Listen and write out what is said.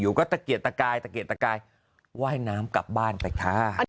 ก็ตะเกียดตะกายตะเกียดตะกายว่ายน้ำกลับบ้านไปค่ะ